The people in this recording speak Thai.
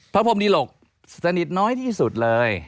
พระพรมดิหลกสนิทน้อยที่สุดเลย